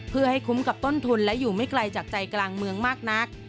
เพื่อให้คุ้มกับต้นทุนและอยู่ไม่ไกลจากใจกลางเมืองมากนัก